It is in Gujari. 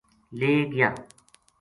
لے گیا